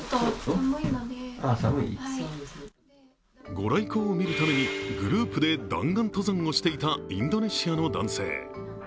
御来光を見るためにグループで弾丸登山をしていたインドネシアの男性。